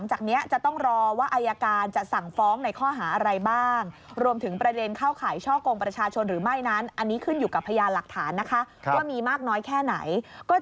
จะต้องรอว่าอายการจะสั่งฟ้องในข้อหาอะไรบ้าง